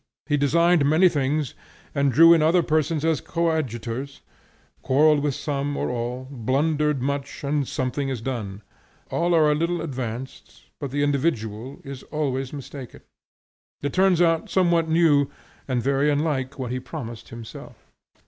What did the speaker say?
He designed many things, and drew in other persons as coadjutors, quarrelled with some or all, blundered much, and something is done; all are a little advanced, but the individual is always mistaken. It turns out somewhat new and very unlike what he promised himself.